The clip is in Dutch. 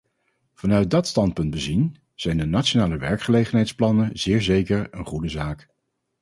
Vanuit dat standpunt bezien, zijn de nationale werkgelegenheidsplannen zeer zeker een goede zaak.